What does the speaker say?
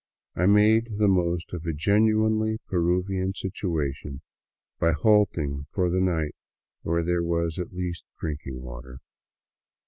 I made the most of a genuinely Peruvian situation by halting for the night where there was at least drinking water.